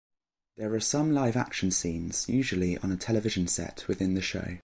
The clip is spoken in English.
There are some live-action scenes, usually on a television set within the show.